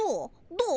どう？